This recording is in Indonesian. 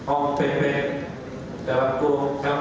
ong beng beng dalam kurung lk